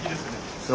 そう。